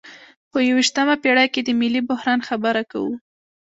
په یویشتمه پیړۍ کې د ملي بحران خبره کوو.